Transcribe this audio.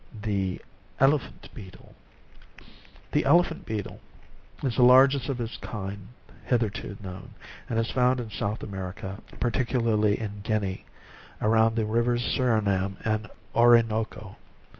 14 ELEPHANT BEETLE. The Elephant beetle is the largest of this kind hitherto known, and is found in South America, particularly in Guinea, about the rivers Surinam and Oroonoko.